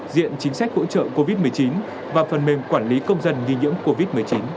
diện chính sách hỗ trợ covid một mươi chín và phần mềm quản lý công dân nghi nhiễm covid một mươi chín